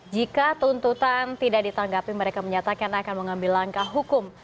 jika tuntutan tidak ditanggapi mereka menyatakan akan mengambil langkah hukum